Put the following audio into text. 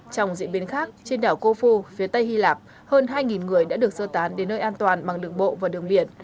trong diễn biến khác trên đảo kofu phía tây hy lạp hơn hai người đã được sơ tán đến nơi an toàn bằng đường bộ và đường biển